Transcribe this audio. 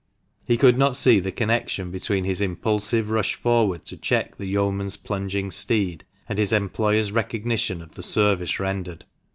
He could not see the connection between his impulsive rush forward to check the yeoman's plunging steed, and his employer's recognition of the service rendered.